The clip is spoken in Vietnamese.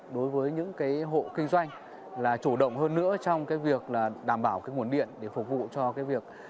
đối với những cái hộ kinh doanh là chủ động hơn nữa trong cái việc là đảm bảo cái nguồn điện để phục vụ cho cái việc